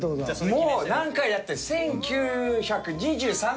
もう何回やって１９２３回目！